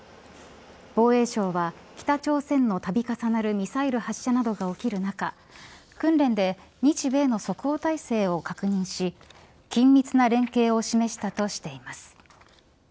防衛省は北朝鮮の度重なるミサイル発射などが起きる中訓練で日米の即応態勢を確認し緊密な連携を示したとしています。